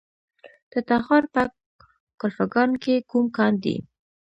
د تخار په کلفګان کې کوم کان دی؟